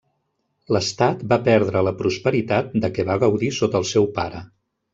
L'estat va perdre la prosperitat de què va gaudir sota el seu pare.